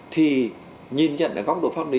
thì nhìn nhận ở góc độ pháp lý